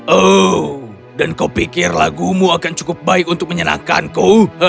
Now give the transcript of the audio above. oh dan kau pikir lagumu akan cukup baik untuk menyenangkanku